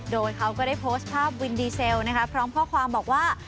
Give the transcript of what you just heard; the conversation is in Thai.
โดยเขาก็ได้โพสต์ภาพวินดีเซลพร้อมข้อความบอกว่า